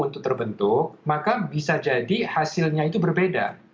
untuk terbentuk maka bisa jadi hasilnya itu berbeda